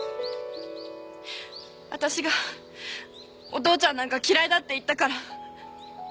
私が「お父ちゃんなんか嫌いだ」って言ったから。